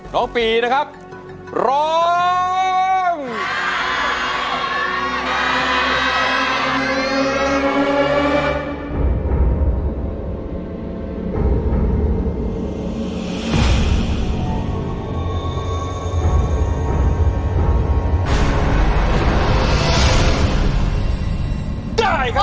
ร้องไปกับสายน้ำง